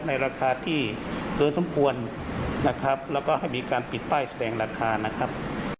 ในราคาที่เกินสมควรนะครับแล้วก็ให้มีการปิดป้ายแสดงราคานะครับ